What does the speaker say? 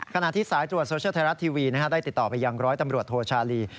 ขณะที่สายตรวจโซเชียลไทยรัฐทีวีได้ติดต่อไปยังร้อยตำรวจโทชาลี